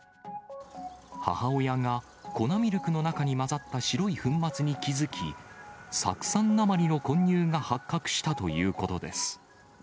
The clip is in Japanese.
母親が、粉ミルクの中に混ざった白い粉末に気付き、酢酸鉛の混入が発覚したということです。